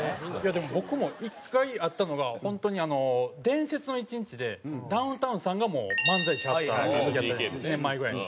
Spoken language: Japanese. でも僕も１回あったのが本当に『伝説の一日』でダウンタウンさんがもう漫才しはった１年前ぐらいに。